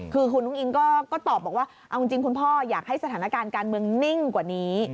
คือคุณอุ้งอิงก็ตอบบอกว่าเอาจริงคุณพ่ออยากให้สถานการณ์การเมืองนิ่งกว่านี้